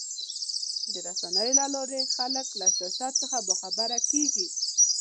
د رسنیو له لارې خلک له سیاست هم باخبره کېږي.